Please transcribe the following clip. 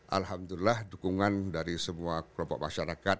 alhamdulillah dukungan dari semua kelompok masyarakat